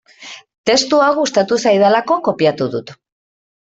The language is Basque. Testua gustatu zaidalako kopiatu dut.